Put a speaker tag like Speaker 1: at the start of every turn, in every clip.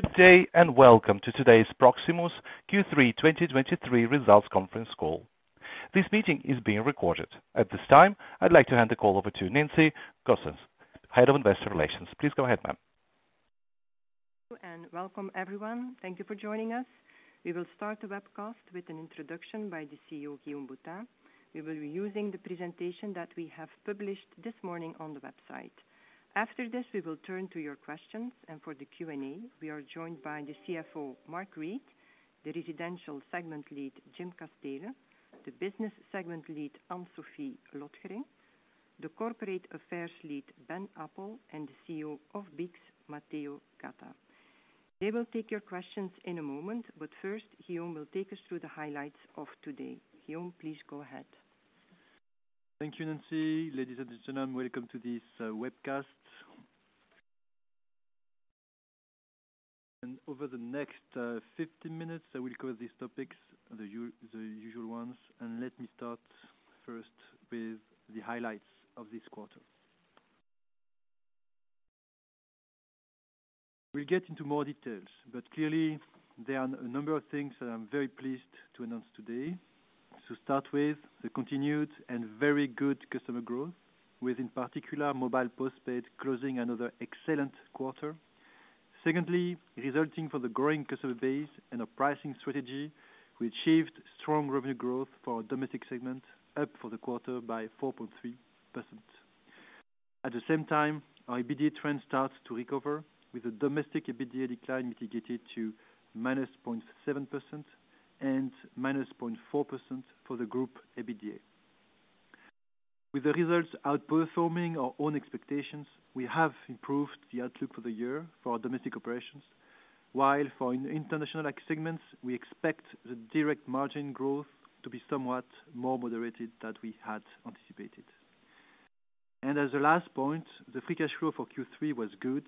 Speaker 1: Good day, and welcome to today's Proximus Q3 2023 results conference call. This meeting is being recorded. At this time, I'd like to hand the call over to Nancy Goossens, Head of Investor Relations. Please go ahead, ma'am.
Speaker 2: Hello, and welcome everyone. Thank you for joining us. We will start the webcast with an introduction by the CEO, Guillaume Boutin. We will be using the presentation that we have published this morning on the website. After this, we will turn to your questions, and for the Q&A, we are joined by the CFO, Mark Reid, the Residential Segment Lead, Jim Casteele, the Business Segment Lead, Anne-Sophie Lotgering, the Corporate Affairs Lead, Ben Appel, and the CEO of BICS, Matteo Gatta. They will take your questions in a moment, but first, Guillaume will take us through the highlights of today. Guillaume, please go ahead.
Speaker 3: Thank you, Nancy. Ladies and gentlemen, welcome to this webcast. Over the next 50 minutes, I will cover these topics, the usual ones, and let me start first with the highlights of this quarter. We'll get into more details, but clearly there are a number of things that I'm very pleased to announce today. To start with, the continued and very good customer growth, with, in particular, mobile postpaid closing another excellent quarter. Secondly, resulting from the growing customer base and our pricing strategy, we achieved strong revenue growth for our domestic segment, up for the quarter by 4.3%. At the same time, our EBITDA trend starts to recover, with a domestic EBITDA decline mitigated to -0.7% and -0.4% for the group EBITDA. With the results outperforming our own expectations, we have improved the outlook for the year for our domestic operations, while for international segments, we expect the direct margin growth to be somewhat more moderated than we had anticipated. As a last point, the free cash flow for Q3 was good,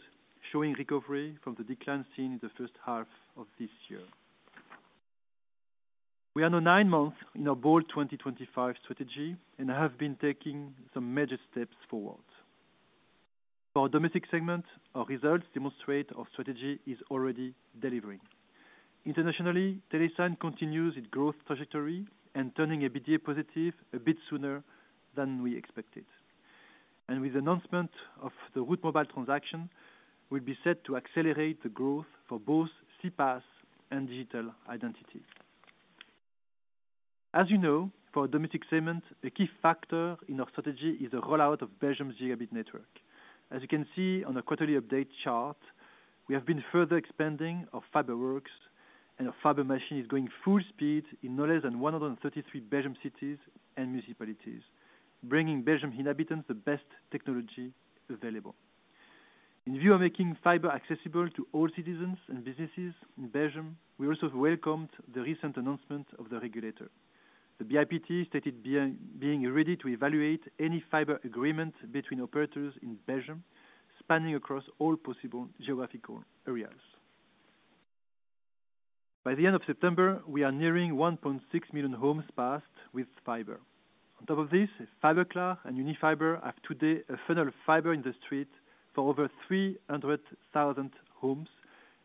Speaker 3: showing recovery from the decline seen in the H1 of this year. We are now nine months in our Bold2025 strategy and have been taking some major steps forward. For our domestic segment, our results demonstrate our strategy is already delivering. Internationally, Telesign continues its growth trajectory and turning EBITDA positive a bit sooner than we expected. With the announcement of the Route Mobile transaction, we'll be set to accelerate the growth for both CPaaS and digital identity. As you know, for our domestic segment, a key factor in our strategy is the rollout of Belgium's gigabit network. As you can see on the quarterly update chart, we have been further expanding our fiber works, and our fiber machine is going full speed in no less than 133 Belgium cities and municipalities, bringing Belgium inhabitants the best technology available. In view of making fiber accessible to all citizens and businesses in Belgium, we also welcomed the recent announcement of the regulator. The BIPT stated being ready to evaluate any fiber agreement between operators in Belgium, spanning across all possible geographical areas. By the end of September, we are nearing 1.6 million homes passed with fiber. On top of this, Fiberklaar and Unifiber have today a funnel of fiber in the street for over 300,000 homes,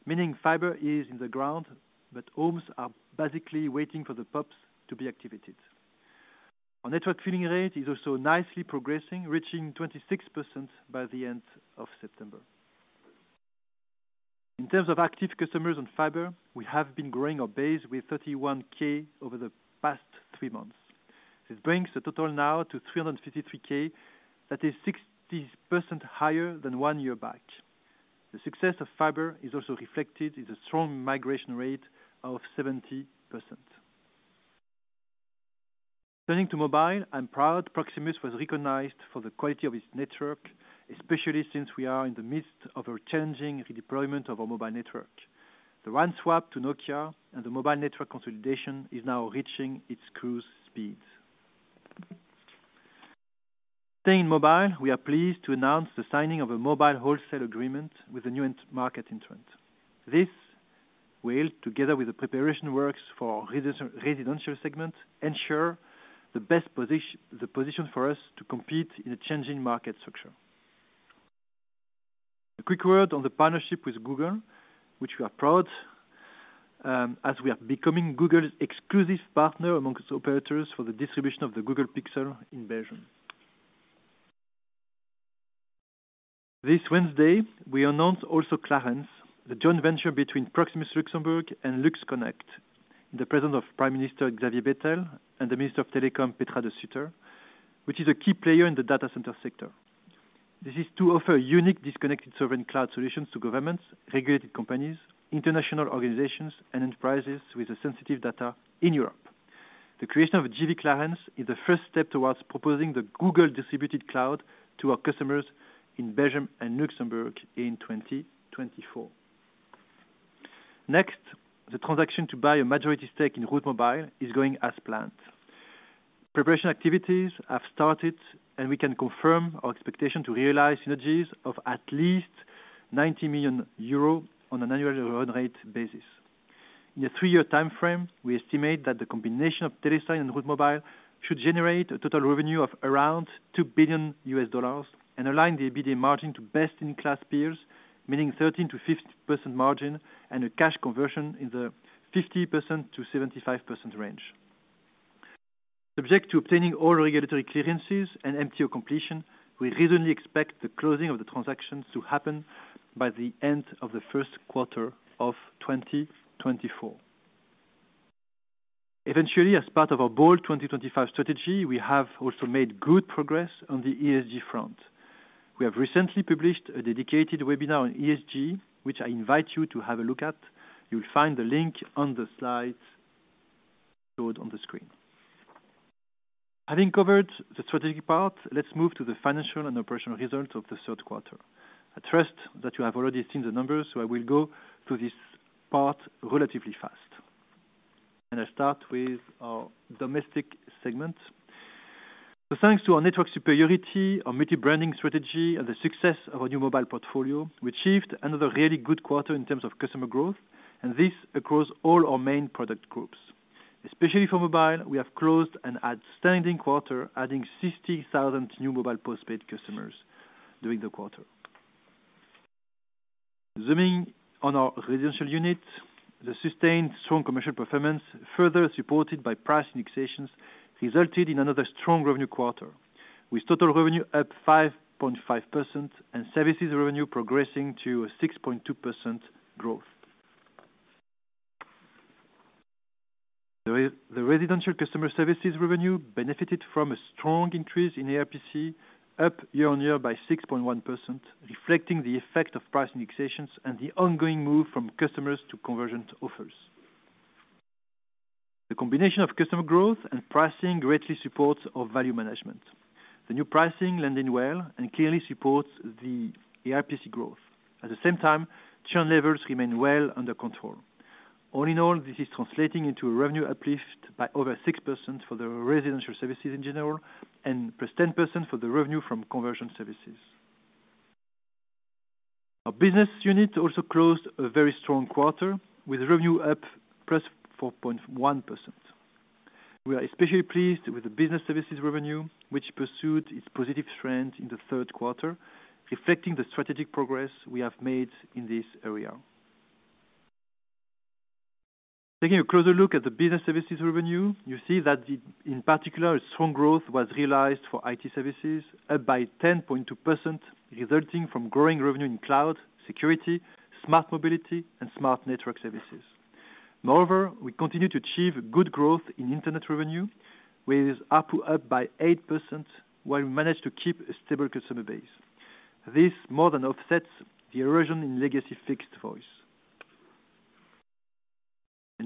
Speaker 3: meaning fiber is in the ground, but homes are basically waiting for the drops to be activated. Our network filling rate is also nicely progressing, reaching 26% by the end of September. In terms of active customers on fiber, we have been growing our base with 31K over the past three months. This brings the total now to 353K. That is 60% higher than one year back. The success of fiber is also reflected in the strong migration rate of 70%. Turning to mobile, I'm proud Proximus was recognized for the quality of its network, especially since we are in the midst of a challenging redeployment of our mobile network. The RAN swap to Nokia and the mobile network consolidation is now reaching its cruise speeds. Staying in mobile, we are pleased to announce the signing of a mobile wholesale agreement with a new end market entrant. This will, together with the preparation works for our residential segment, ensure the best position for us to compete in a changing market structure. A quick word on the partnership with Google, which we are proud, as we are becoming Google's exclusive partner amongst operators for the distribution of the Google Pixel in Belgium. This Wednesday, we announced also Clarence, the joint venture between Proximus Luxembourg and LuxConnect, in the presence of Prime Minister Xavier Bettel and the Minister of Telecom, Petra De Sutter, which is a key player in the data center sector. This is to offer unique disconnected sovereign cloud solutions to governments, regulated companies, international organizations, and enterprises with a sensitive data in Europe. The creation of JV Clarence is the first step towards proposing the Google Distributed Cloud to our customers in Belgium and Luxembourg in 2024. Next, the transaction to buy a majority stake in Route Mobile is going as planned. Preparation activities have started, and we can confirm our expectation to realize synergies of at least 90 million euro on an annual run rate basis. In a three-year timeframe, we estimate that the combination of Telesign and Route Mobile should generate a total revenue of around $2 billion and align the EBITDA margin to best-in-class peers, meaning 13%-15% margin and a cash conversion in the 50%-75% range. Subject to obtaining all regulatory clearances and MTO completion, we reasonably expect the closing of the transactions to happen by the end of the Q1 of 2024. Eventually, as part of our Bold2025 strategy, we have also made good progress on the ESG front. We have recently published a dedicated webinar on ESG, which I invite you to have a look at. You'll find the link on the slides showed on the screen. Having covered the strategic part, let's move to the financial and operational results of the Q3. I trust that you have already seen the numbers, so I will go through this part relatively fast. I start with our domestic segment. So thanks to our network superiority, our multi-branding strategy, and the success of our new mobile portfolio, we achieved another really good quarter in terms of customer growth, and this across all our main product groups. Especially for mobile, we have closed an outstanding quarter, adding 60,000 new mobile postpaid customers during the quarter. Zooming on our residential unit, the sustained strong commercial performance, further supported by price indexations, resulted in another strong revenue quarter, with total revenue up 5.5% and services revenue progressing to a 6.2% growth. The residential customer services revenue benefited from a strong increase in ARPC, up year-on-year by 6.1%, reflecting the effect of price indexations and the ongoing move from customers to convergent offers. The combination of customer growth and pricing greatly supports our value management. The new pricing landed well and clearly supports the ARPC growth. At the same time, churn levels remain well under control. All in all, this is translating into a revenue uplift by over 6% for the residential services in general and +10% for the revenue from conversion services. Our business unit also closed a very strong quarter, with revenue up +4.1%. We are especially pleased with the business services revenue, which pursued its positive trend in the Q3, reflecting the strategic progress we have made in this area. Taking a closer look at the business services revenue, you see that, in particular, a strong growth was realized for IT services, up by 10.2%, resulting from growing revenue in cloud, security, smart mobility, and smart network services. Moreover, we continue to achieve good growth in internet revenue, with ARPU up by 8%, while we managed to keep a stable customer base. This more than offsets the erosion in legacy fixed voice.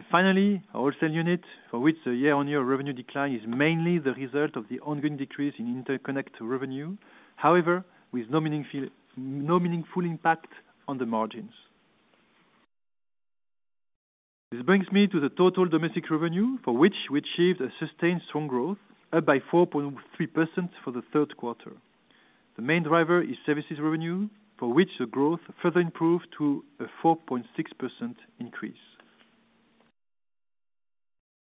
Speaker 3: Finally, our wholesale unit, for which the year-on-year revenue decline is mainly the result of the ongoing decrease in interconnect revenue. However, with no meaningful impact on the margins. This brings me to the total domestic revenue, for which we achieved a sustained strong growth, up by 4.3% for the Q3. The main driver is services revenue, for which the growth further improved to a 4.6% increase.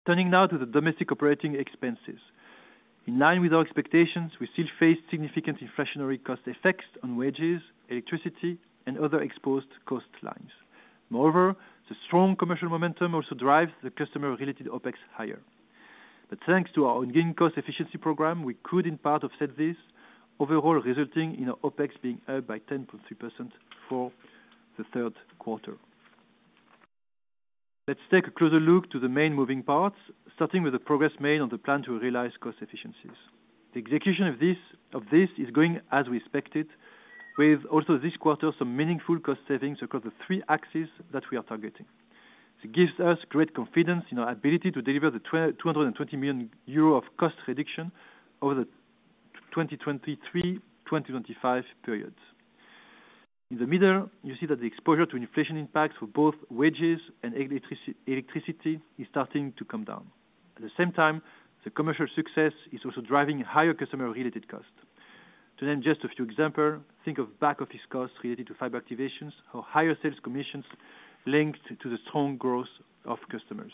Speaker 3: Turning now to the domestic operating expenses. In line with our expectations, we still face significant inflationary cost effects on wages, electricity, and other exposed cost lines. Moreover, the strong commercial momentum also drives the customer-related OpEx higher. But thanks to our ongoing cost efficiency program, we could in part offset this, overall resulting in our OpEx being up by 10.3% for the Q3. Let's take a closer look to the main moving parts, starting with the progress made on the plan to realize cost efficiencies. The execution of this is going as we expected, with also this quarter, some meaningful cost savings across the three axes that we are targeting. This gives us great confidence in our ability to deliver the 220 million euro of cost reduction over the 2023/2025 periods. In the middle, you see that the exposure to inflation impacts for both wages and electricity is starting to come down. At the same time, the commercial success is also driving higher customer-related costs. To name just a few examples, think of back-office costs related to fiber activations or higher sales commissions linked to the strong growth of customers.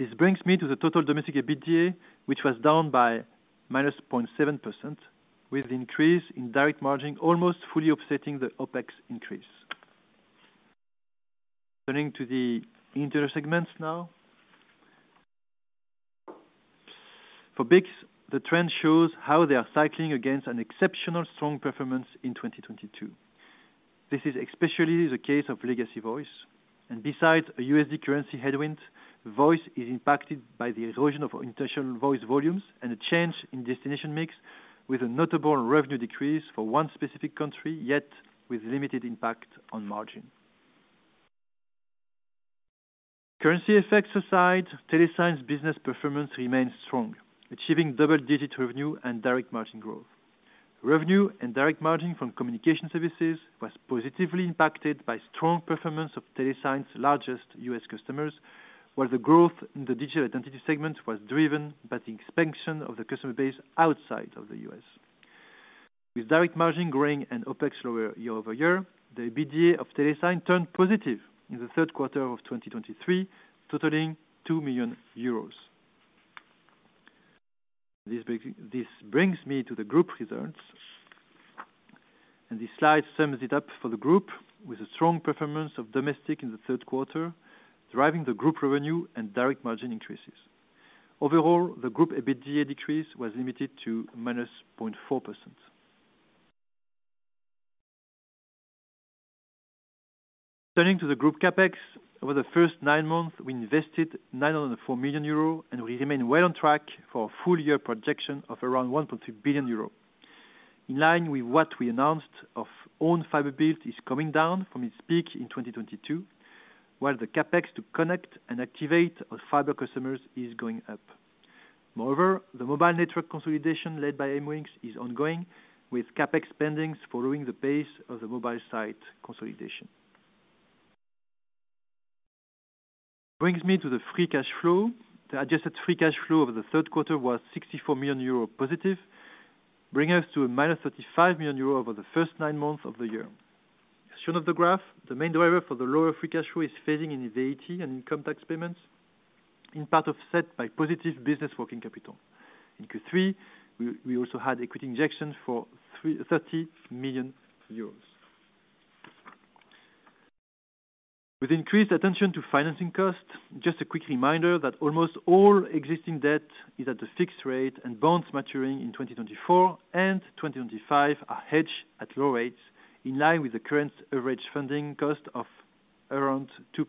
Speaker 3: This brings me to the total domestic EBITDA, which was down by -0.7%, with increase in direct margin almost fully offsetting the OpEx increase. Turning to the international segments now. For BICS, the trend shows how they are cycling against an exceptionally strong performance in 2022. This is especially the case of legacy voice, and besides a $ currency headwind, voice is impacted by the erosion of international voice volumes and a change in destination mix, with a notable revenue decrease for one specific country, yet with limited impact on margin. Currency effects aside, Telesign's business performance remains strong, achieving double-digit revenue and direct margin growth. Revenue and direct margin from communication services was positively impacted by strong performance of Telesign's largest U.S. customers while the growth in the digital identity segment was driven by the expansion of the customer base outside of the U.S. With direct margin growing and OpEx lower year over year, the EBITDA of Telesign turned positive in the Q3 of 2023, totaling 2 million euros. This brings me to the group results, and this slide sums it up for the group with a strong performance of domestic in the Q3, driving the group revenue and direct margin increases. Overall, the group EBITDA decrease was limited to -0.4%. Turning to the group CapEx, over the first nine months, we invested 904 million euro, and we remain well on track for a full year projection of around 1.3 billion euro. In line with what we announced of own fiber build is coming down from its peak in 2022, while the CapEx to connect and activate our fiber customers is going up. Moreover, the mobile network consolidation led by MWingzis ongoing, with CapEx spendings following the pace of the mobile site consolidation. Brings me to the free cash flow. The adjusted free cash flow over the Q3 was 64 million euro positive, bringing us to -35 million euro over the first nine months of the year. As shown on the graph, the main driver for the lower free cash flow is phasing in the AT and income tax payments, in part offset by positive business working capital. In Q3, we also had equity injections for 330 million euros. With increased attention to financing costs, just a quick reminder that almost all existing debt is at a fixed rate, and bonds maturing in 2024 and 2025 are hedged at low rates, in line with the current average funding cost of around 2%.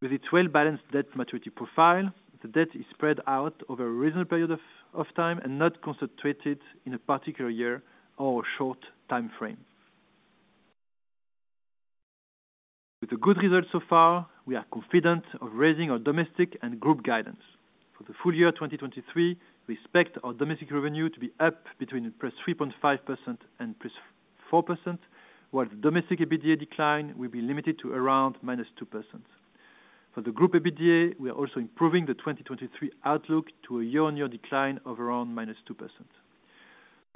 Speaker 3: With its well-balanced debt maturity profile, the debt is spread out over a reasonable period of time and not concentrated in a particular year or short time frame. With the good results so far, we are confident of raising our domestic and group guidance. For the full year 2023, we expect our domestic revenue to be up between +3.5% and +4%, while the domestic EBITDA decline will be limited to around -2%. For the group EBITDA, we are also improving the 2023 outlook to a year-on-year decline of around -2%.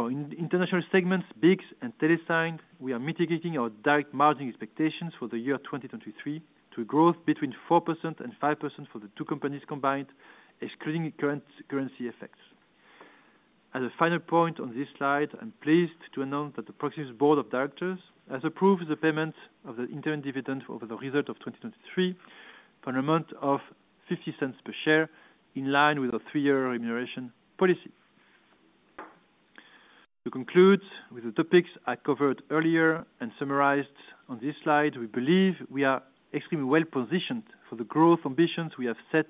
Speaker 3: For in the international segments, BICS and Telesign, we are mitigating our direct margin expectations for the year 2023 to a growth between 4% and 5% for the two companies combined, excluding current currency effects. As a final point on this slide, I'm pleased to announce that the Proximus Board of Directors has approved the payment of the interim dividend over the result of 2023 for an amount of €0.50 per share, in line with our three-year remuneration policy. To conclude with the topics I covered earlier and summarized on this slide, we believe we are extremely well positioned for the growth ambitions we have set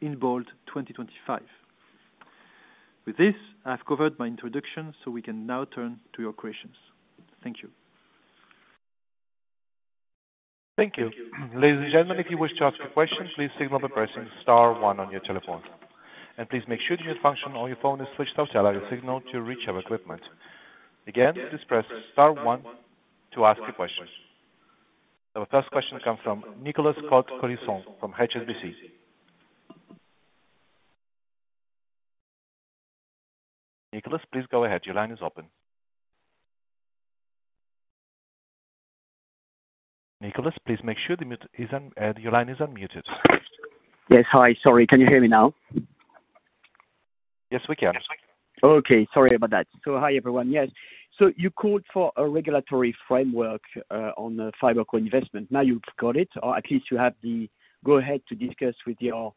Speaker 3: in Bold2025. With this, I've covered my introduction, so we can now turn to your questions. Thank you.
Speaker 1: Thank you. Ladies and gentlemen, if you wish to ask a question, please signal by pressing star one on your telephone. And please make sure the mute function on your phone is switched off to allow your signal to reach our equipment. Again, please press star one to ask your question. So our first question comes from Nicolas Cote-Colisson from HSBC. Nicholas, please go ahead. Your line is open. Nicholas, please make sure the mute is unmuted. Your line is unmuted.
Speaker 4: Yes, hi, sorry. Can you hear me now?
Speaker 1: Yes, we can.
Speaker 4: Okay, sorry about that. So hi, everyone. Yes. So you called for a regulatory framework on the fiber co-investment. Now you've got it, or at least you have the go ahead to discuss with your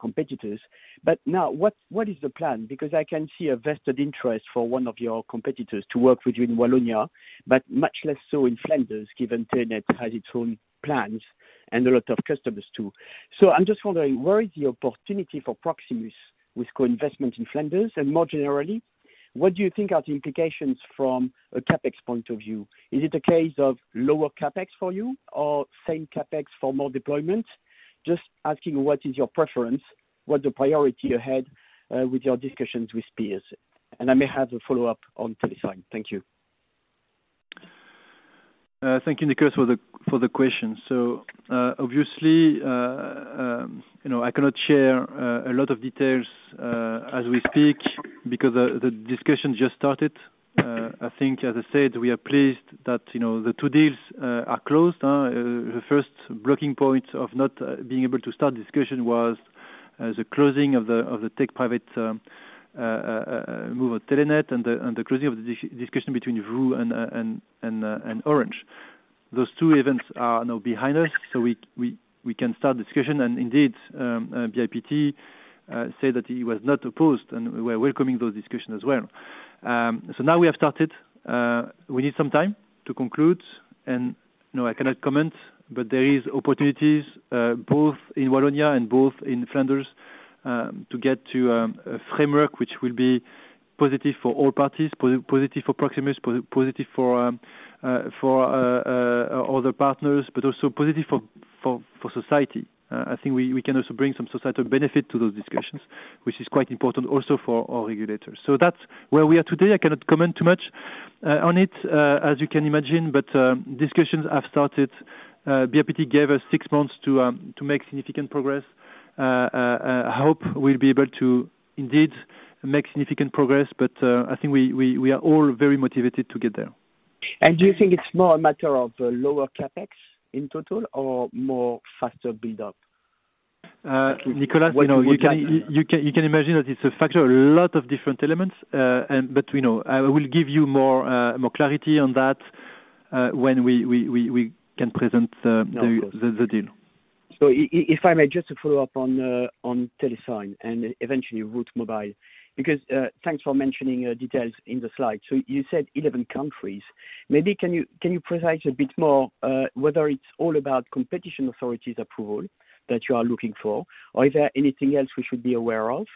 Speaker 4: competitors. But now, what is the plan? Because I can see a vested interest for one of your competitors to work with you in Wallonia, but much less so in Flanders, given Telenet has its own plans and a lot of customers, too. So I'm just wondering, where is the opportunity for Proximus with co-investment in Flanders? And more generally, what do you think are the implications from a CapEx point of view? Is it a case of lower CapEx for you or same CapEx for more deployment? Just asking what is your preference? What's the priority ahead with your discussions with peers? I may have a follow-up on Telesign. Thank you.
Speaker 3: Thank you, Nicholas, for the question. So, obviously, you know, I cannot share a lot of details as we speak because the discussion just started. I think, as I said, we are pleased that, you know, the two deals are closed. The first blocking point of not being able to start discussion was the closing of the take private move of Telenet and the closing of the discussion between VOO and Orange. Those two events are now behind us, so we can start discussion. And indeed, BIPT say that he was not opposed, and we are welcoming those discussions as well. So now we have started. We need some time to conclude, and no, I cannot comment, but there is opportunities, both in Wallonia and both in Flanders, to get to a framework which will be positive for all parties, positive for Proximus, positive for other partners, but also positive for society. I think we can also bring some societal benefit to those discussions, which is quite important also for our regulators. So that's where we are today. I cannot comment too much on it, as you can imagine, but discussions have started. BIPT gave us six months to make significant progress. I hope we'll be able to indeed make significant progress, but I think we are all very motivated to get there.
Speaker 4: Do you think it's more a matter of lower CapEx in total, or more faster build up?
Speaker 3: Nicholas
Speaker 5: you know-
Speaker 4: What you would like-
Speaker 3: You can imagine that it's a factor, a lot of different elements. But you know, I will give you more clarity on that, when we can present the the deal.
Speaker 4: If I may just follow up on, on TeleSign, and eventually Route Mobile, because, thanks for mentioning, details in the slide. You said 11 countries. Maybe can you, can you precise a bit more, whether it's all about competition authorities approval that you are looking for? Or is there anything else we should be aware of?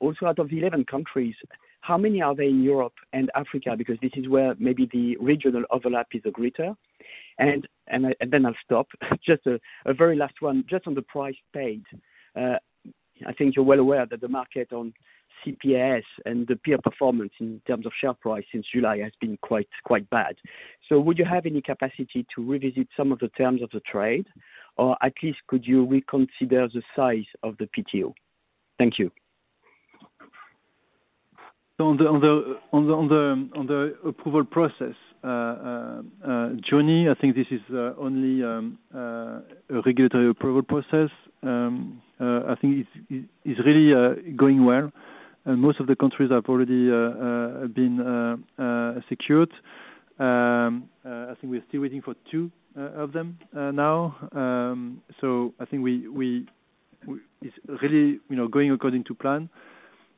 Speaker 4: Also, out of the 11 countries, how many are they in Europe and Africa? Because this is where maybe the regional overlap is greater. I, and then I'll stop. Just a very last one, just on the price paid, I think you're well aware that the market on CPaaS and the peer performance in terms of share price since July has been quite, quite bad. Would you have any capacity to revisit some of the terms of the trade? Or at least could you reconsider the size of the PTO? Thank you.
Speaker 3: On the approval process, Johnny, I think this is only a regulatory approval process. I think it's really going well, and most of the countries have already been secured. I think we're still waiting for two of them now. So I think it's really, you know, going according to plan.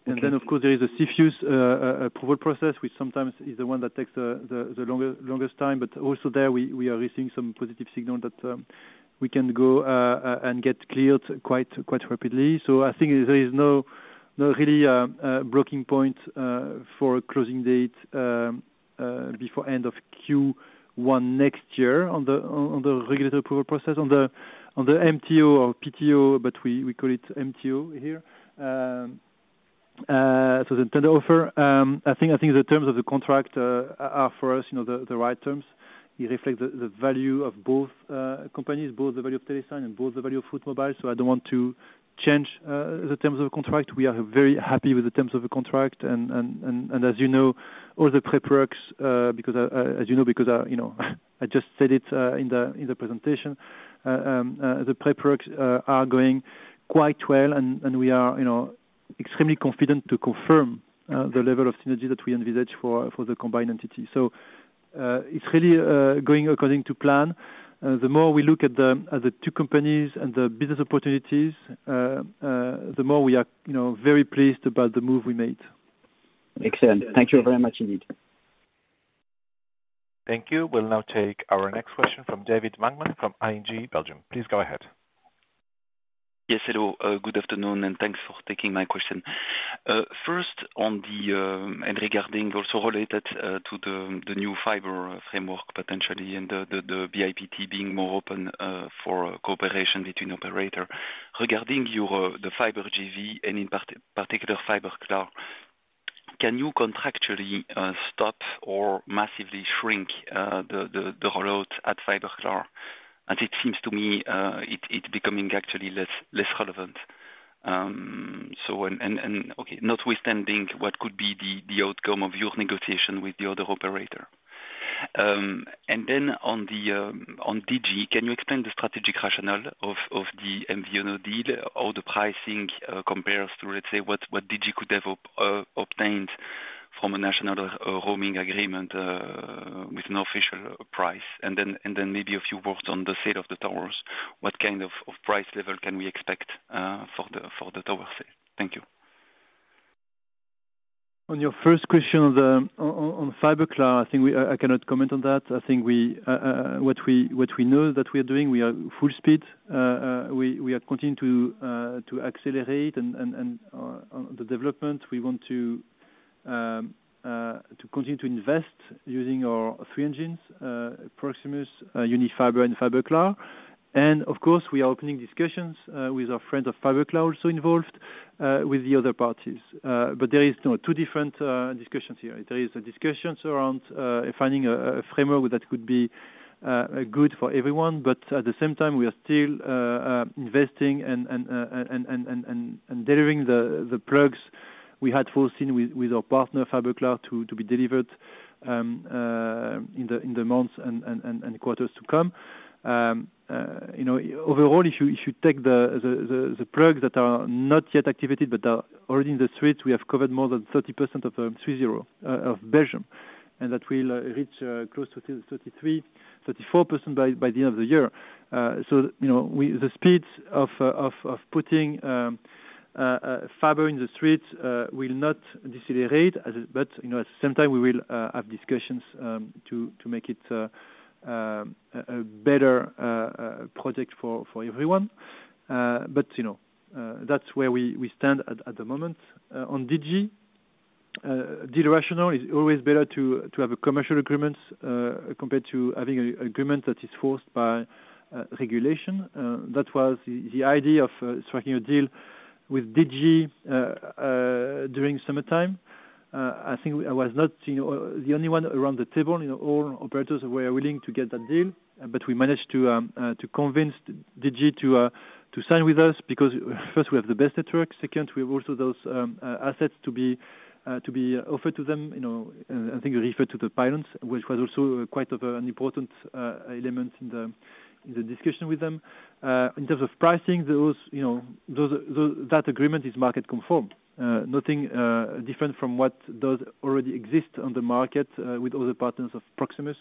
Speaker 3: And then of course, there is a CFIUS approval process, which sometimes is the one that takes the longest time. But also there, we are receiving some positive signal that we can go and get cleared quite rapidly. So I think there is no really blocking point for closing date before end of Q1 next year, on the regulatory approval process. On the MTO or PTO, but we call it MTO here. So the tender offer, I think the terms of the contract are for us, you know, the right terms. It reflects the value of both companies, both the value of Telesign, and both the value of Route Mobile. I don't want to change the terms of the contract. We are very happy with the terms of the contract. And as you know, all the prep works, because, as you know, because, you know, I just said it in the presentation, the prep works are going quite well, and we are, you know, extremely confident to confirm the level of synergy that we envisage for the combined entity. It's really going according to plan. The more we look at the two companies and the business opportunities, the more we are, you know, very pleased about the move we made.
Speaker 4: Excellent. Thank you very much indeed.
Speaker 1: Thank you. We'll now take our next question from David Vagman from ING Belgium. Please go ahead.
Speaker 6: Yes, hello, good afternoon, and thanks for taking my question. First on the and regarding also related to the new fiber framework, potentially, and the BIPT being more open for cooperation between operator. Regarding your the fiber JV, and in particular, Fiberklaar, can you contractually stop or massively shrink the rollout at Fiberklaar? As it seems to me, it's becoming actually less relevant. So and okay, notwithstanding what could be the outcome of your negotiation with the other operator. And then on Digi, can you explain the strategic rationale of the MVNO deal, or the pricing compares to, let's say, what Digi could have obtained from a national roaming agreement with no official price? And then maybe a few words on the sale of the towers. What kind of price level can we expect for the tower sale? Thank you.
Speaker 3: On your first question on the Fiberklaar, I think we cannot comment on that. I think what we know that we are doing, we are full speed. We are continuing to accelerate and the development. We want to continue to invest using our three engines, Proximus, Unifiber, and Fiberklaar. And of course, we are opening discussions with our friends of Fiberklaar also involved with the other parties. But there is, you know, two different discussions here. There is discussions around finding a framework that could be good for everyone. But at the same time, we are still investing and delivering the products we had foreseen with our partner, Fiberklaar, to be delivered in the months and quarters to come. You know, overall, if you take the products that are not yet activated, but are already in the streets, we have covered more than 30% of Belgium. And that will reach close to 33%-34% by the end of the year. So, you know, the speed of putting fiber in the streets will not decelerate as... But, you know, at the same time, we will have discussions to make it a better project for everyone. But, you know, that's where we stand at the moment. On Digi, the rationale is always better to have a commercial agreement compared to having a agreement that is forced by regulation. That was the idea of striking a deal with Digi during summertime. I think I was not the only one around the table, you know, all operators were willing to get that deal, but we managed to convince Digi to sign with us, because first, we have the best network. Second, we have also those assets to be offered to them, you know, and I think referred to the pilots, which was also quite of an important element in the discussion with them. In terms of pricing, those, you know, that agreement is market conformed. Nothing different from what does already exist on the market with other partners of Proximus.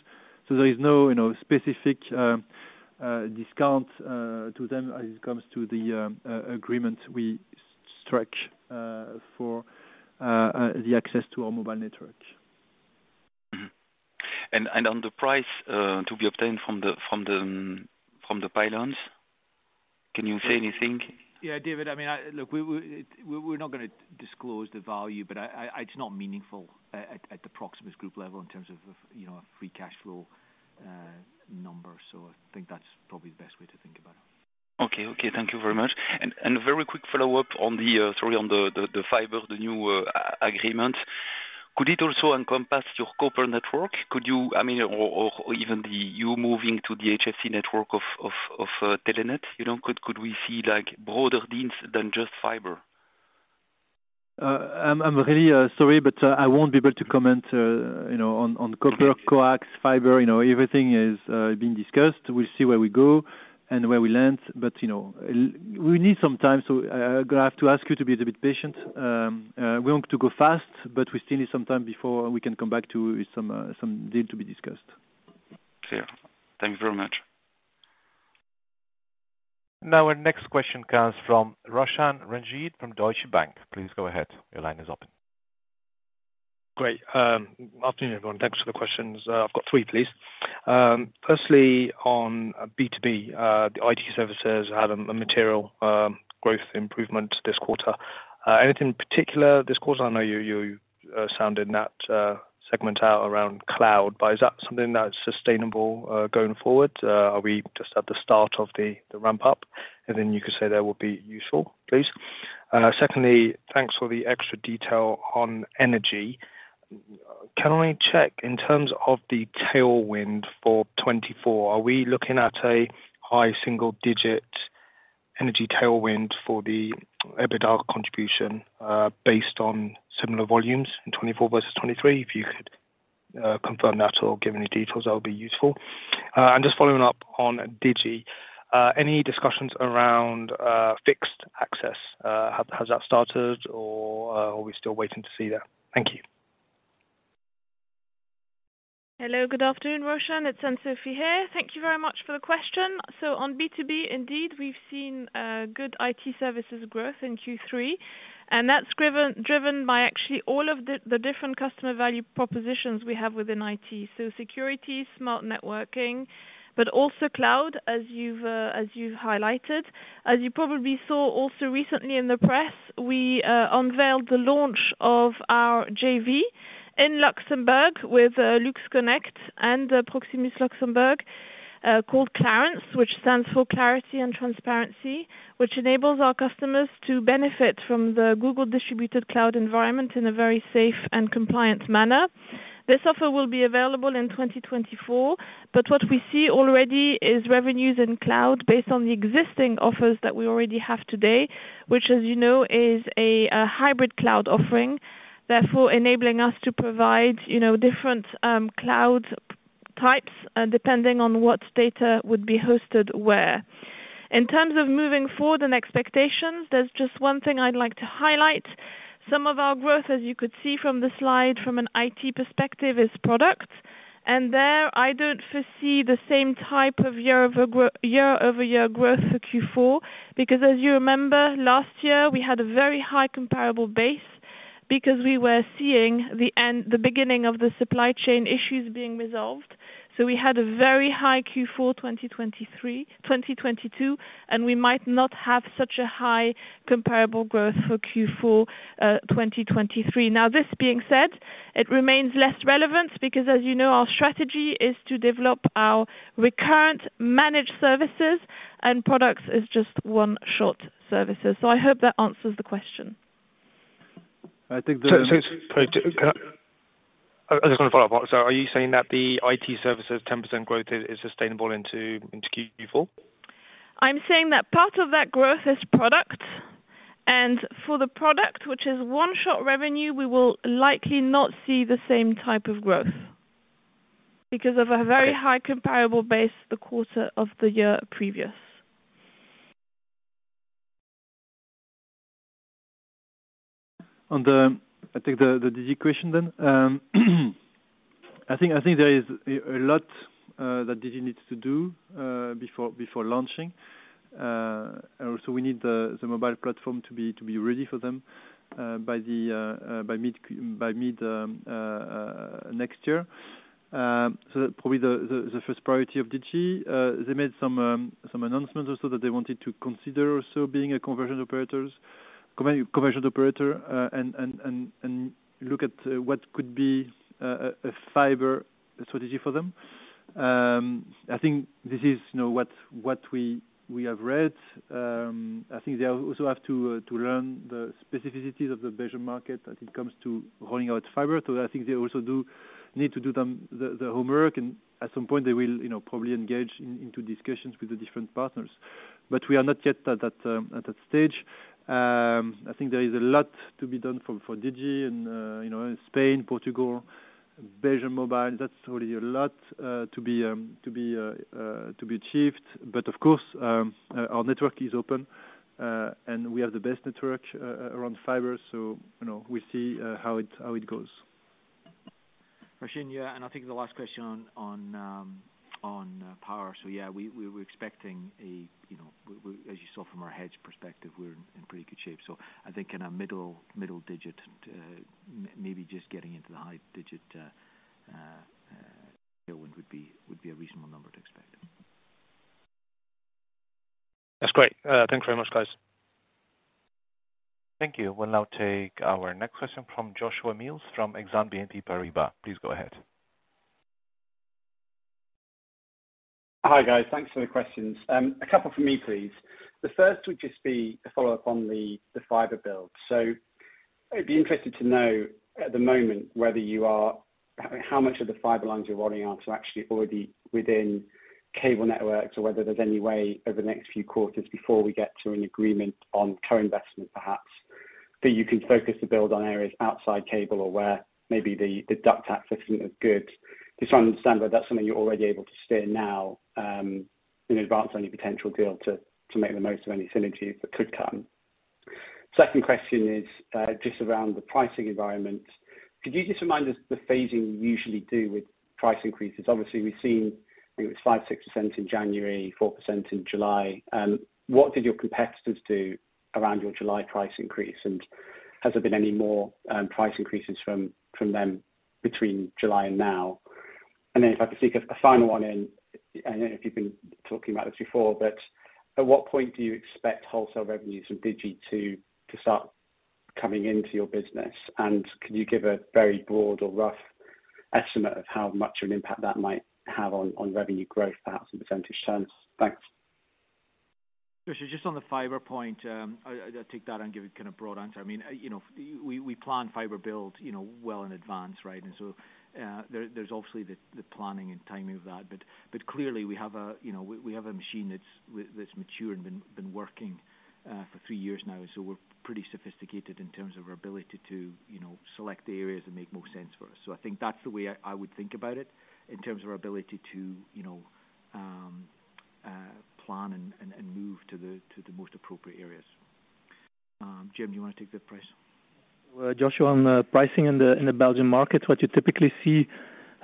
Speaker 3: So there is no, you know, specific discount to them as it comes to the agreement we strike for the access to our mobile network.
Speaker 6: Mm-hmm. And on the price to be obtained from the pilots, can you say anything?
Speaker 7: Yeah, David, I mean, look, we're not gonna disclose the value, but it's not meaningful at the Proximus Group level in terms of, you know, a free cash flow number. So I think that's probably the best way to think about it.
Speaker 6: Okay. Okay, thank you very much. And a very quick follow-up on the, sorry, on the fiber, the new agreement. Could it also encompass your copper network? Could you, I mean, or even you moving to the HFC network of Telenet? You know, could we see like broader deals than just fiber?
Speaker 3: I'm really sorry, but I won't be able to comment, you know, on copper, coax, fiber, you know, everything is being discussed. We'll see where we go and where we land. But, you know, we need some time. So, I have to ask you to be a little bit patient. We want to go fast, but we still need some time before we can come back to you with some deal to be discussed.
Speaker 6: Clear. Thank you very much.
Speaker 1: Now, our next question comes from Roshan Ranjit, from Deutsche Bank. Please go ahead. Your line is open.
Speaker 8: Great. Afternoon, everyone. Thanks for the questions. I've got three, please. Firstly, on B2B, the IT services had a material growth improvement this quarter. Anything particular this quarter? I know you sounded that segment out around cloud, but is that something that's sustainable going forward? Are we just at the start of the ramp up? And then you could say that will be useful, please. Secondly, thanks for the extra detail on energy. Can I check in terms of the tailwind for 2024, are we looking at a high single digit energy tailwind for the EBITDA contribution, based on similar volumes in 2024 versus 2023? If you could confirm that or give any details, that would be useful. And just following up on Digi, any discussions around fixed access? Has that started or are we still waiting to see that? Thank you.
Speaker 9: Hello, good afternoon, Roshan. It's Anne-Sophie here. Thank you very much for the question. So on B2B, indeed, we've seen good IT services growth in Q3, and that's driven by actually all of the different customer value propositions we have within IT. So security, smart networking, but also cloud, as you've highlighted. As you probably saw also recently in the press, we unveiled the launch of our JV in Luxembourg with LuxConnect and the Proximus Luxembourg, called Clarence, which stands for clarity and transparency, which enables our customers to benefit from the Google distributed cloud environment in a very safe and compliant manner. This offer will be available in 2024, but what we see already is revenues in cloud based on the existing offers that we already have today, which, as you know, is a hybrid cloud offering, therefore enabling us to provide, you know, different cloud types depending on what data would be hosted where. In terms of moving forward and expectations, there's just one thing I'd like to highlight. Some of our growth, as you could see from the slide, from an IT perspective, is product. And there I don't foresee the same type of year-over-year growth for Q4, because as you remember, last year, we had a very high comparable base because we were seeing the end, the beginning of the supply chain issues being resolved. So we had a very high Q4, 2023, 2022, and we might not have such a high comparable growth for Q4, 2023. Now, this being said, it remains less relevant because as you know, our strategy is to develop our recurrent managed services, and products is just one short services. So I hope that answers the question.
Speaker 5: I think
Speaker 8: So, I just want to follow up. So are you saying that the IT services 10% growth is sustainable into Q4?
Speaker 9: I'm saying that part of that growth is product, and for the product, which is one-shot revenue, we will likely not see the same type of growth because of a very high comparable base the quarter of the year previous.
Speaker 3: I take the Digi question then. I think there is a lot that Digi needs to do before launching. And so we need the mobile platform to be ready for them by mid next year. So probably the first priority of Digi, they made some announcements also that they wanted to consider also being a convergence operator and look at what could be a fiber strategy for them.... I think this is, you know, what we have read. I think they also have to learn the specificities of the Belgian market as it comes to rolling out fiber. So I think they also do need to do the homework, and at some point they will, you know, probably engage in discussions with the different partners. But we are not yet at that stage. I think there is a lot to be done for Digi and, you know, Spain, Portugal, Belgium Mobile, that's already a lot to be achieved. But of course, our network is open, and we have the best network around fiber, so, you know, we'll see how it goes.
Speaker 7: Roshan, yeah, and I think the last question on, on, power. So yeah, we, we were expecting a, you know, as you saw from our hedge perspective, we're in pretty good shape. So I think in a middle, middle digit, maybe just getting into the high digit, would be, would be a reasonable number to expect.
Speaker 8: That's great. Thanks very much, guys.
Speaker 1: Thank you. We'll now take our next question from Joshua Mills from Exane BNP Paribas. Please go ahead.
Speaker 10: Hi, guys. Thanks for the questions. A couple from me, please. The first would just be a follow-up on the fiber build. So I'd be interested to know, at the moment, whether you are how much of the fiber lines you're rolling out are actually already within cable networks, or whether there's any way over the next few quarters before we get to an agreement on co-investment, perhaps, that you can focus the build on areas outside cable or where maybe the duct access system is good. Just want to understand whether that's something you're already able to steer now, in advance of any potential deal to make the most of any synergies that could come. Second question is just around the pricing environment. Could you just remind us the phasing you usually do with price increases? Obviously, we've seen, I think it was 5%-6% in January, 4% in July. What did your competitors do around your July price increase? And has there been any more price increases from them between July and now? And then if I could sneak a final one in, I don't know if you've been talking about this before, but at what point do you expect wholesale revenues from Digi to start coming into your business? And could you give a very broad or rough estimate of how much of an impact that might have on revenue growth, perhaps in percentage terms? Thanks.
Speaker 7: Joshua, just on the fiber point, I take that and give a kind of broad answer. I mean, you know, we plan fiber build, you know, well in advance, right? And so, there's obviously the planning and timing of that, but clearly we have a, you know, we have a machine that's mature and been working for three years now. So we're pretty sophisticated in terms of our ability to, you know, select the areas that make more sense for us. So I think that's the way I would think about it, in terms of our ability to, you know, plan and move to the most appropriate areas. Jim, do you want to take the price?
Speaker 11: Joshua, on the pricing in the Belgium market, what you typically see is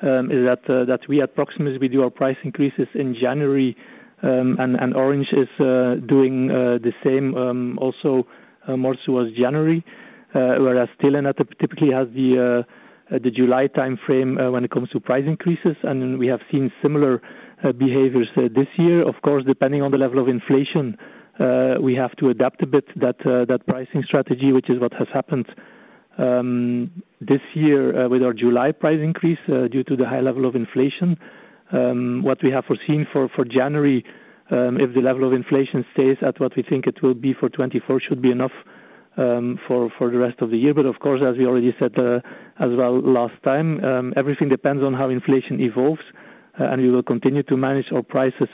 Speaker 11: that we approximately do our price increases in January, and Orange is doing the same, also more towards January. Whereas Telenet typically has the July time frame when it comes to price increases, and then we have seen similar behaviors this year. Of course, depending on the level of inflation, we have to adapt a bit that pricing strategy, which is what has happened this year with our July price increase due to the high level of inflation. What we have foreseen for January, if the level of inflation stays at what we think it will be for 2024, should be enough for the rest of the year. But of course, as we already said, as well, last time, everything depends on how inflation evolves, and we will continue to manage our prices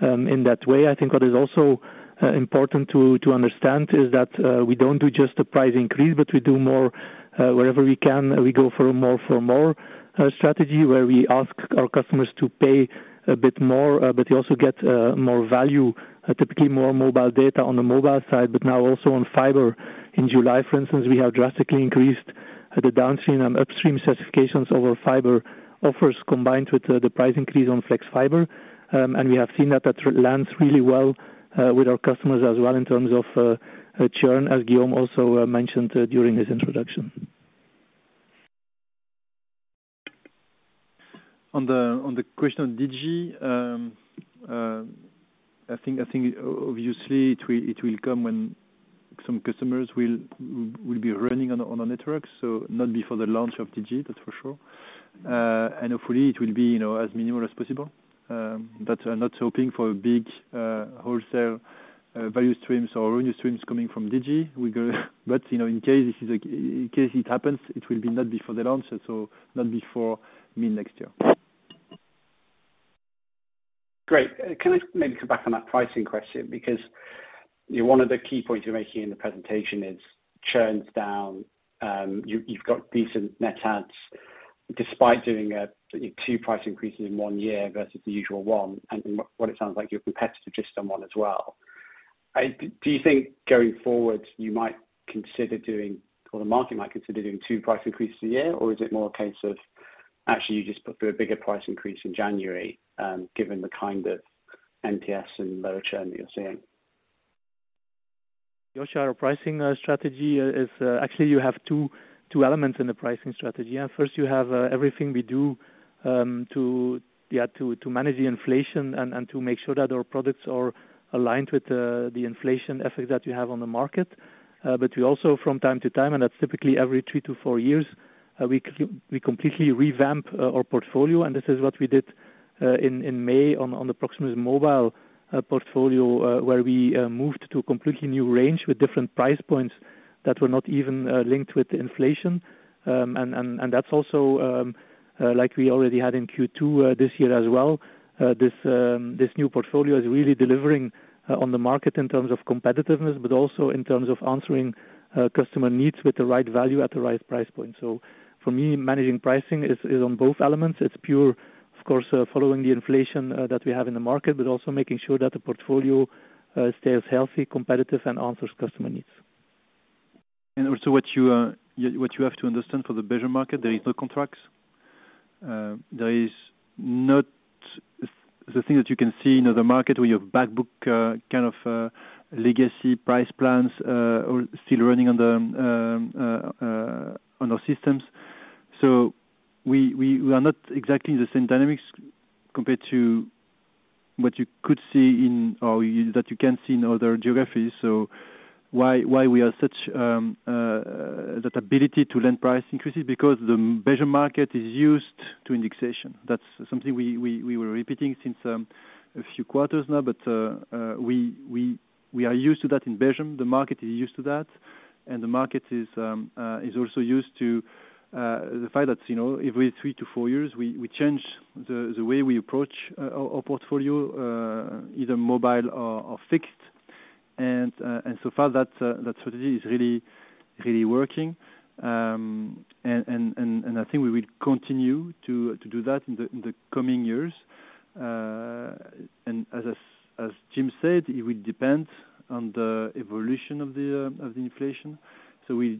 Speaker 11: in that way. I think what is also important to understand is that we don't do just a price increase, but we do more, wherever we can, we go for a more-for-more strategy, where we ask our customers to pay a bit more, but we also get more value, typically more mobile data on the mobile side, but now also on fiber. In July, for instance, we have drastically increased the downstream and upstream certifications over fiber offers, combined with the price increase on flex fiber. We have seen that that lands really well with our customers as well, in terms of churn, as Guillaume also mentioned during his introduction. On the question on Digi, I think obviously it will come when some customers will be running on a network, so not before the launch of Digi, that's for sure. And hopefully it will be, you know, as minimal as possible. But we're not hoping for a big wholesale value streams or revenue streams coming from Digi. But, you know, in case it happens, it will be not before the launch, and so not before mid-next year.
Speaker 10: Great. Can I maybe come back on that pricing question? Because, you know, one of the key points you're making in the presentation is churn's down, you, you've got decent net adds, despite doing, two price increases in one year versus the usual one, and what it sounds like your competitor just done one as well. Do you think going forward, you might consider doing, or the market might consider doing two price increases a year? Or is it more a case of actually you just prefer a bigger price increase in January, given the kind of NPS and lower churn that you're seeing?
Speaker 11: Joshua, our pricing strategy is actually you have two elements in the pricing strategy. Yeah, first you have everything we do to manage the inflation and to make sure that our products are aligned with the inflation effect that we have on the market. But we also, from time to time, and that's typically every three to four years-... we completely revamp our portfolio, and this is what we did in May on the Proximus mobile portfolio, where we moved to a completely new range with different price points that were not even linked with inflation. And that's also like we already had in Q2 this year as well. This new portfolio is really delivering on the market in terms of competitiveness, but also in terms of answering customer needs with the right value at the right price point. So for me, managing pricing is on both elements. It's pure, of course, following the inflation that we have in the market, but also making sure that the portfolio stays healthy, competitive, and answers customer needs.
Speaker 3: And also what you have to understand for the Belgium market, there is no contracts. There is not the thing that you can see in other market where you have back book kind of legacy price plans or still running on our systems. So we are not exactly the same dynamics compared to what you could see in or that you can see in other geographies. So why we are such that ability to lend price increases? Because the Belgium market is used to indexation. That's something we were repeating since a few quarters now. But we are used to that in Belgium. The market is used to that, and the market is also used to the fact that, you know, every 3-4 years, we change the way we approach our portfolio, either mobile or fixed. So far, that strategy is really, really working. I think we will continue to do that in the coming years. As Jim said, it will depend on the evolution of the inflation. We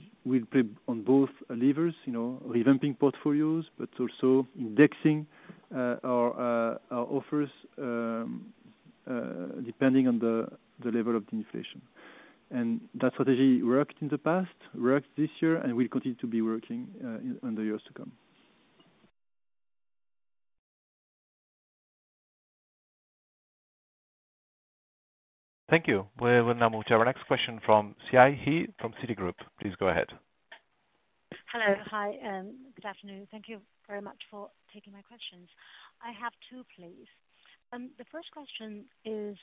Speaker 3: play on both levers, you know, revamping portfolios, but also indexing our offers depending on the level of the inflation. That strategy worked in the past, worked this year, and will continue to be working in the years to come.
Speaker 1: Thank you. We will now move to our next question from Siyi He from Citigroup. Please go ahead.
Speaker 12: Hello. Hi, and good afternoon. Thank you very much for taking my questions. I have two, please. The first question is,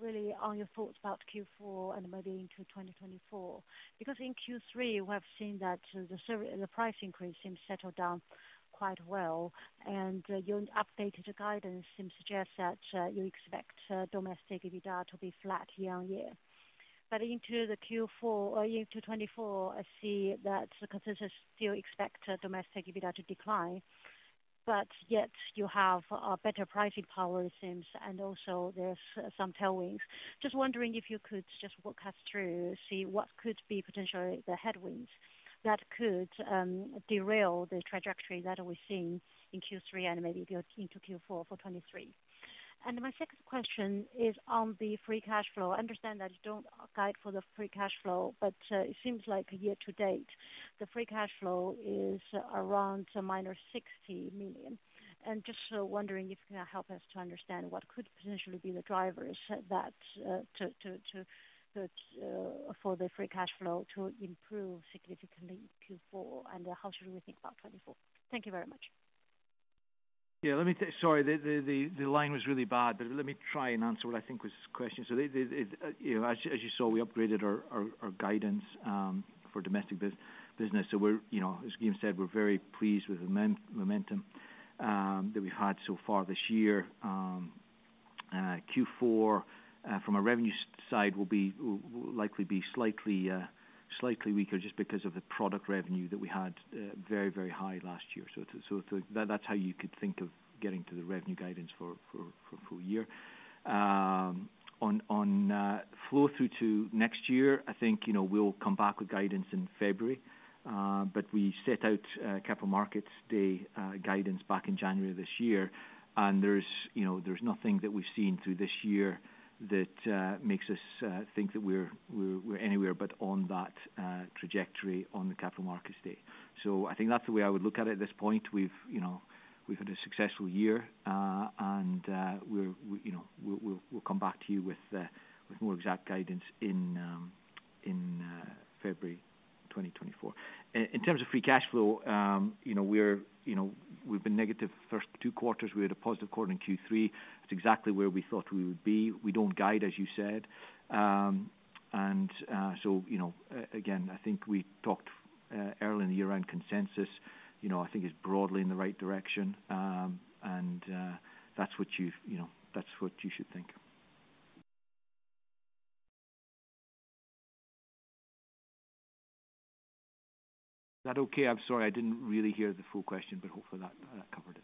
Speaker 12: really are your thoughts about Q4 and maybe into 2024, because in Q3, we have seen that the price increase seems settled down quite well, and, your updated guidance seems to suggest that, you expect, domestic EBITDA to be flat year-on-year. But into the Q4, into 2024, I see that the consensus still expect domestic EBITDA to decline, but yet you have a better pricing power since, and also there's some tailwinds. Just wondering if you could just walk us through, see what could be potentially the headwinds that could, derail the trajectory that we've seen in Q3 and maybe go into Q4 for 2023. And my second question is on the free cash flow. I understand that you don't guide for the free cash flow, but it seems like year to date, the free cash flow is around -60 million. Just wondering if you can help us to understand what could potentially be the drivers that to for the free cash flow to improve significantly in Q4, and how should we think about 2024? Thank you very much.
Speaker 7: Yeah, let me tell sorry, the line was really bad, but let me try and answer what I think was the question. So the, you know, as you saw, we upgraded our guidance for domestic business. So we're, you know, as Jim said, we're very pleased with the momentum that we've had so far this year. Q4 from a revenue side, will likely be slightly weaker just because of the product revenue that we had very high last year. So that's how you could think of getting to the revenue guidance for full year. On flow through to next year, I think, you know, we'll come back with guidance in February. But we set out Capital Markets Day guidance back in January of this year. And there's, you know, there's nothing that we've seen through this year that makes us think that we're anywhere but on that trajectory on the Capital Markets Day. So I think that's the way I would look at it at this point. We've, you know, we've had a successful year, and we're, we, you know, we'll come back to you with more exact guidance in February 2024. In terms of free cash flow, you know, we're, you know, we've been negative the first two quarters. We had a positive quarter in Q3. It's exactly where we thought we would be. We don't guide, as you said. And so, you know, again, I think we talked early in the year around consensus. You know, I think it's broadly in the right direction, and that's what you've, you know, that's what you should think. Is that okay? I'm sorry, I didn't really hear the full question, but hopefully that covered it.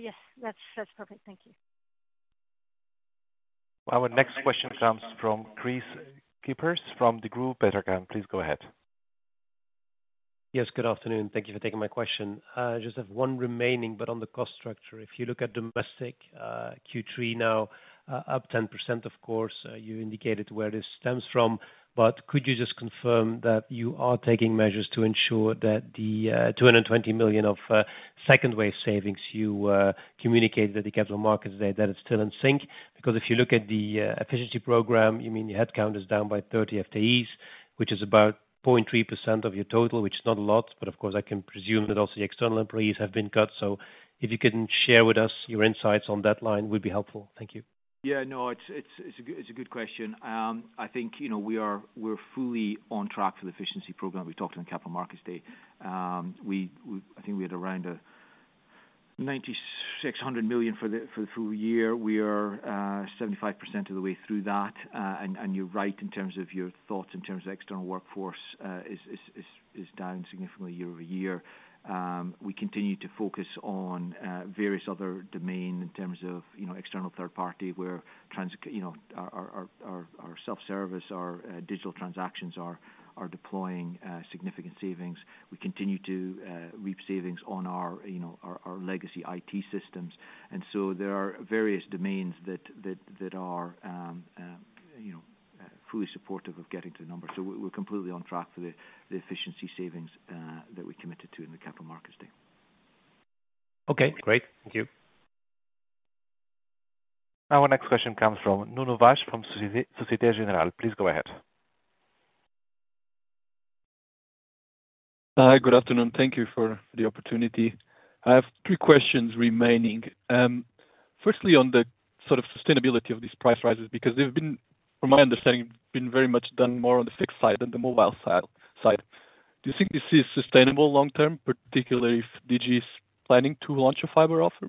Speaker 12: Yes, that's perfect. Thank you.
Speaker 1: Our next question comes from Kris Kippers from Kepler Cheuvreux. Please go ahead....
Speaker 13: Yes, good afternoon. Thank you for taking my question. I just have one remaining, but on the cost structure, if you look at domestic, Q3 now, up 10%, of course, you indicated where this stems from, but could you just confirm that you are taking measures to ensure that the 220 million of second wave savings you communicated with the Capital Markets Day, that it's still in sync? Because if you look at the efficiency program, you mean your headcount is down by 30 FTEs, which is about 0.3% of your total, which is not a lot, but of course, I can presume that also the external employees have been cut. So if you can share with us your insights on that line, would be helpful. Thank you.
Speaker 7: Yeah, no, it's a good question. I think, you know, we're fully on track for the efficiency program. We talked on the Capital Markets Day. I think we had around 9,600 million for the full year. We are 75% of the way through that. And you're right, in terms of your thoughts, in terms of external workforce, is down significantly year-over-year. We continue to focus on various other domain in terms of, you know, external third party, where you know, our self-service, our digital transactions are deploying significant savings. We continue to reap savings on our, you know, our legacy IT systems. And so there are various domains that are, you know, fully supportive of getting to the numbers. So we're completely on track for the efficiency savings that we committed to in the Capital Markets Day.
Speaker 13: Okay, great. Thank you.
Speaker 1: Our next question comes from Nuno Vaz from Société Générale. Please go ahead.
Speaker 14: Hi, good afternoon. Thank you for the opportunity. I have three questions remaining. Firstly, on the sort of sustainability of these price rises, because they've been, from my understanding, very much done more on the fixed side than the mobile side. Do you think this is sustainable long term, particularly if DG is planning to launch a fiber offer?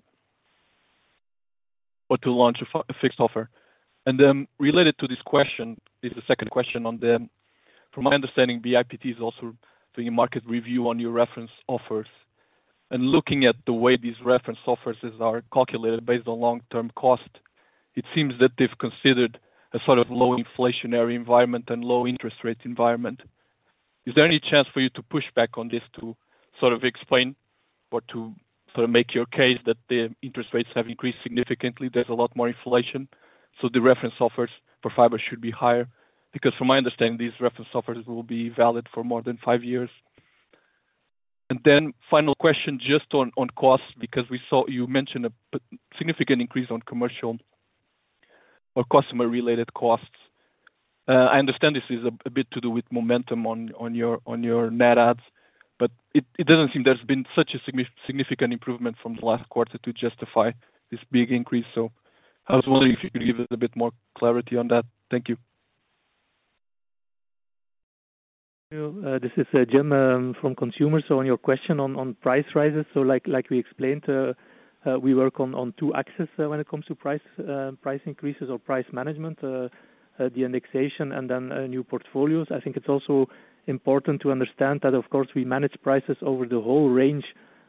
Speaker 14: Or to launch a fixed offer? And then related to this question, is the second question on them. From my understanding, BIPT is also doing a market review on your reference offers. And looking at the way these reference offers are calculated based on long-term cost, it seems that they've considered a sort of low inflationary environment and low interest rate environment. Is there any chance for you to push back on this, to sort of explain or to sort of make your case that the interest rates have increased significantly? There's a lot more inflation, so the reference offers for fiber should be higher. Because from my understanding, these reference offers will be valid for more than 5 years. Then final question, just on costs, because we saw you mentioned a significant increase on commercial or customer-related costs. I understand this is a bit to do with momentum on your net adds, but it doesn't seem there's been such a significant improvement from the last quarter to justify this big increase. So I was wondering if you could give us a bit more clarity on that. Thank you.
Speaker 11: This is Jim, from consumer. So on your question on, on price rises, so like, like we explained, we work on, on two axes, when it comes to price, price increases or price management, the indexation and then, new portfolios. I think it's also important to understand that of course, we manage prices over the whole range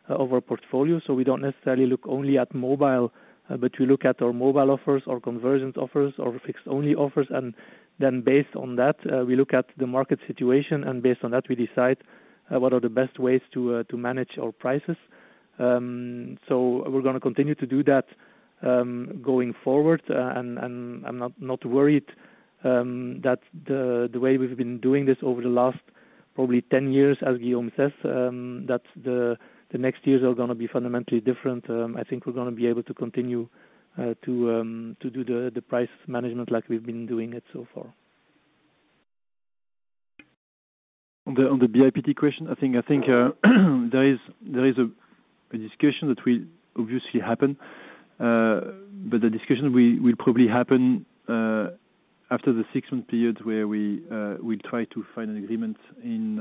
Speaker 11: of our portfolio, so we don't necessarily look only at mobile, but we look at our mobile offers, our convergent offers, or fixed-only offers, and then based on that, we look at the market situation, and based on that, we decide, what are the best ways to, to manage our prices. So we're gonna continue to do that, going forward. And I'm not worried that the way we've been doing this over the last probably 10 years, as Guillaume says, that the next years are gonna be fundamentally different. I think we're gonna be able to continue to do the price management like we've been doing it so far.
Speaker 3: On the BIPT question, I think there is a discussion that will obviously happen, but the discussion will probably happen after the six-month period, where we try to find an agreement in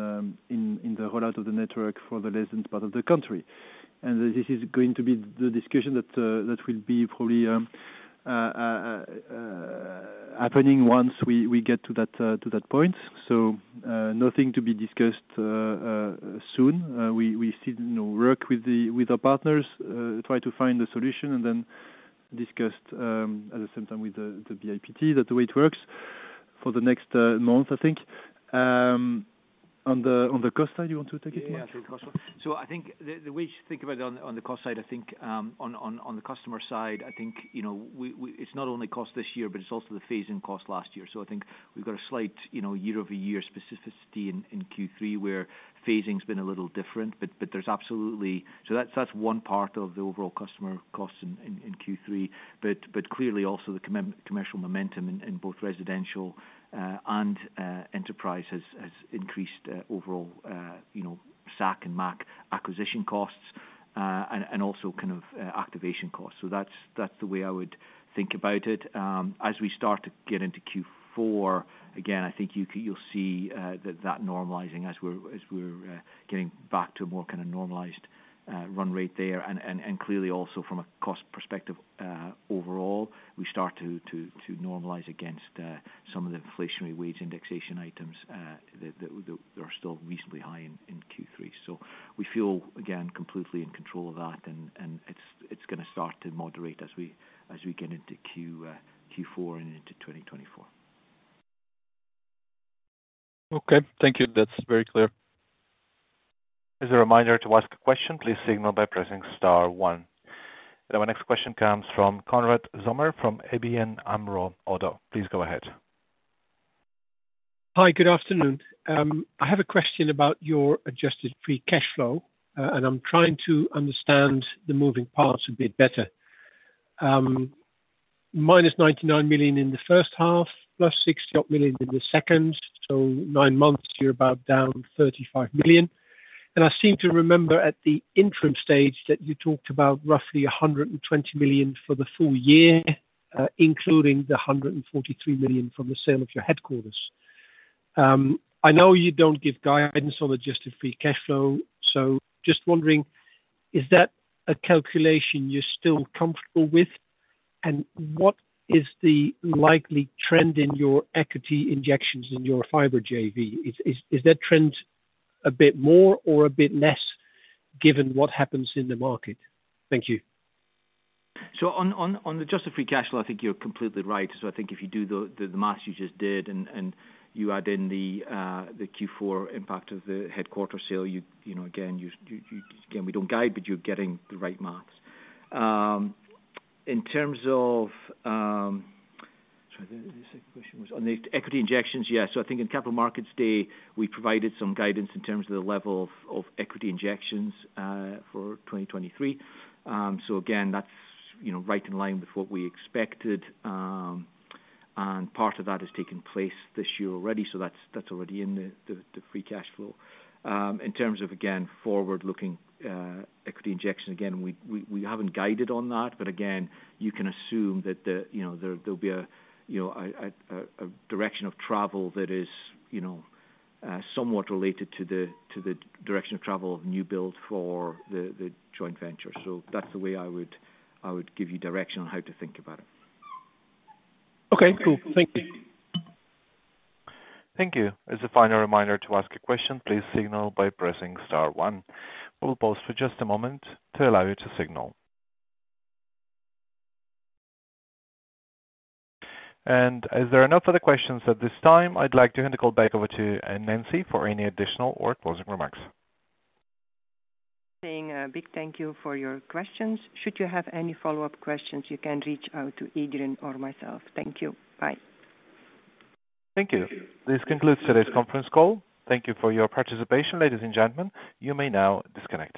Speaker 3: the rollout of the network for the resident part of the country. And this is going to be the discussion that will be probably happening once we get to that point. So, nothing to be discussed soon. We still, you know, work with our partners, try to find a solution and then discuss at the same time with the BIPT. That's the way it works for the next month, I think. On the cost side, you want to take it, Max?
Speaker 7: Yeah, the cost side. So I think the way you think about it on the cost side, I think, on the customer side, I think, you know, we, it's not only cost this year, but it's also the phasing cost last year. So I think we've got a slight, you know, year-over-year specificity in Q3, where phasing's been a little different. But there's absolutely... So that's one part of the overall customer costs in Q3. But clearly also the commercial momentum in both residential and enterprise has increased overall, you know, SAC and MAC acquisition costs, and also kind of activation costs. So that's the way I would think about it. As we start to get into Q4, again, I think you'll see that normalizing as we're getting back to a more kind of normalized run rate there. And clearly also from a cost perspective, overall, we start to normalize against some of the inflationary wage indexation items that are still reasonably high in Q3. So we feel, again, completely in control of that, and it's gonna start to moderate as we get into Q4 and into 2024.
Speaker 14: Okay, thank you. That's very clear.
Speaker 1: As a reminder, to ask a question, please signal by pressing star one. Our next question comes from Konrad Zomer, from ABN AMRO Oddo. Please go ahead.
Speaker 15: Hi, good afternoon. I have a question about your adjusted free cash flow. And I'm trying to understand the moving parts a bit better. Minus 99 million in the H1 plus 60-odd million in the second, so 9 months, you're about down 35 million. And I seem to remember at the interim stage that you talked about roughly 120 million for the full year, including the 143 million from the sale of your headquarters. I know you don't give guidance on adjusted free cash flow, so just wondering, is that a calculation you're still comfortable with? And what is the likely trend in your equity injections in your fiber JV? Is that trend a bit more or a bit less given what happens in the market? Thank you.
Speaker 7: So on the adjusted free cash flow, I think you're completely right. So I think if you do the math you just did, and you add in the Q4 impact of the headquarters sale, you know, again, we don't guide, but you're getting the right math. In terms of... Sorry, the second question was on the equity injections. Yes. So I think in Capital Markets Day, we provided some guidance in terms of the level of equity injections for 2023. So again, that's, you know, right in line with what we expected. And part of that has taken place this year already, so that's already in the free cash flow. In terms of, again, forward-looking, equity injection, again, we haven't guided on that, but again, you can assume that the, you know, there'll be a, you know, a direction of travel that is, you know, somewhat related to the, to the direction of travel of new build for the joint venture. So that's the way I would give you direction on how to think about it.
Speaker 15: Okay, cool. Thank you.
Speaker 1: Thank you. As a final reminder to ask a question, please signal by pressing star one. We'll pause for just a moment to allow you to signal. And as there are no further questions at this time, I'd like to hand the call back over to Nancy for any additional or closing remarks.
Speaker 2: Saying a big thank you for your questions. Should you have any follow-up questions, you can reach out to Adriaan or myself. Thank you. Bye.
Speaker 1: Thank you. This concludes today's conference call. Thank you for your participation, ladies and gentlemen. You may now disconnect.